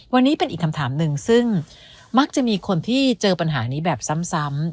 วันนี้เป็นอีกคำถามหนึ่งซึ่งมักจะมีคนที่เจอปัญหานี้แบบซ้ำ